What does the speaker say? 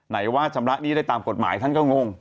ว่าชำระหนี้ได้ตามกฎหมายท่านก็งง